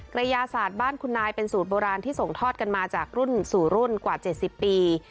กระยาศาสตร์บ้านคุณนายเป็นสูตรโบราณที่ส่งทอดกันมาจากรุ่นสู่รุ่นกว่า๗๐ปี